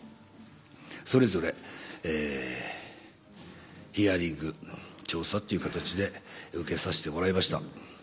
それぞれヒアリング調査という形で受けさせてもらいました。